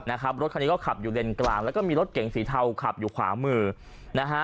นะครับรถคันนี้ก็ขับอยู่เลนกลางแล้วก็มีรถเก๋งสีเทาขับอยู่ขวามือนะฮะ